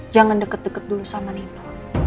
jangan deket deket dulu sama nina